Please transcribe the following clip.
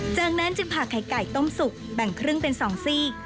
จากนั้นจึงผ่าไข่ไก่ต้มสุกแบ่งครึ่งเป็น๒ซีก